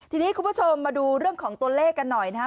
ทีนี้คุณผู้ชมมาดูเรื่องของตัวเลขกันหน่อยนะฮะ